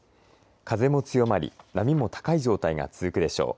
風も強まり波も高い状態が続くでしょう。